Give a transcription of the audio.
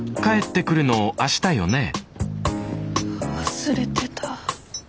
忘れてた。